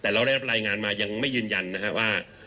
แต่เราได้รับรายงานมายังไม่ยืนยันนะครับว่า